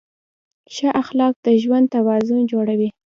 ښه اخلاق د ژوند توازن جوړوي.